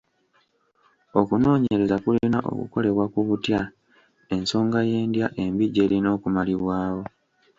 Okunoonyereza kulina okukolebwa ku butya ensonga y'endya embi gy'erina okumalibwawo.